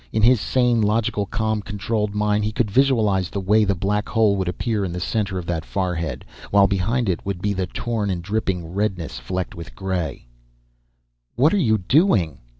In his sane, logical, calm, controlled mind he could visualize the way the black hole would appear in the center of that forehead, while behind it would be the torn and dripping redness flecked with gray "What are you doing?"